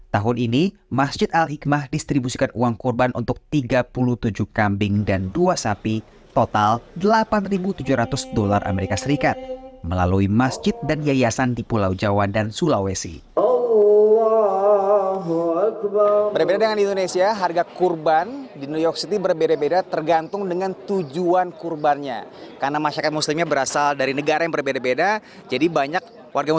tahun ini masjid al hikmah di indonesia berada di kawasan queens new york